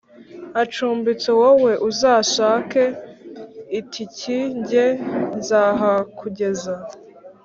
acumbitse wowe uzashake itiki jye nzahakugeza”